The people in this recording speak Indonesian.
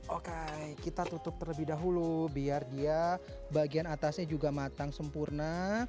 oke kita tutup terlebih dahulu biar dia bagian atasnya juga matang sempurna